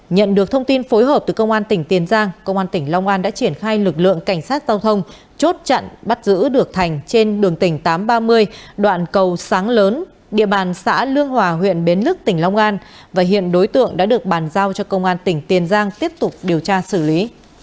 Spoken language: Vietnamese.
nhận được thông tin phối hợp từ công an tỉnh tiền giang công an tỉnh long an đã triển khai lực lượng cảnh sát giao thông chốt chặn bắt giữ được thành trên đường tỉnh tám trăm ba mươi đoạn cầu sáng lớn địa bàn xã lương hòa huyện bến lức tỉnh long an và hiện đối tượng đã được bàn giao cho công an tỉnh tiền giang tiếp tục điều tra xử lý